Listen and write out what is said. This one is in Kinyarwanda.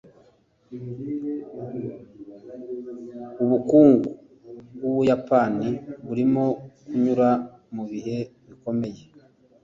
ubukungu bwubuyapani burimo kunyura mubihe bikomeye